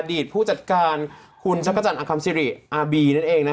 อดีตผู้จัดการคุณชักกะจันทร์อัคคัมซิริอาร์บีนั่นเองนะคะ